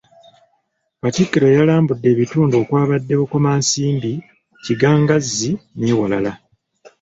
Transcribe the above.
Katikkiro yalambudde ebitundu okwabadde Bukomansimbi, Kigangazzi n’ewalala.